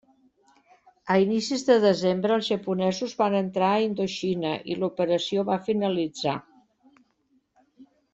A inicis de desembre els japonesos van entrar a Indoxina i l'operació va finalitzar.